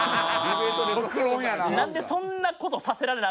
何でそんなことさせられなあ